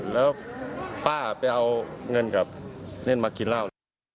แล้วป้าไปเอาเงินมากินเหล้า